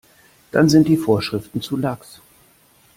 Dann sind die Vorschriften zu lax.